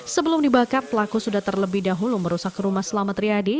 sebelum dibakar pelaku sudah terlebih dahulu merusak rumah selamat riyadi